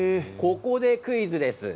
ここでクイズです。